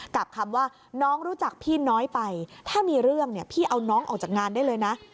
กับคำว่าน้องรู้จักพี่น้อยไปถ้ามีเรื่องเนี่ยพี่เอาน้องออกจากงานได้เลยนะ